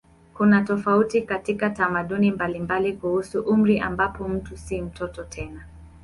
Kuna tofauti katika tamaduni mbalimbali kuhusu umri ambapo mtu si mtoto tena.